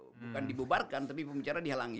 bukan dibubarkan tapi pembicara dihalangi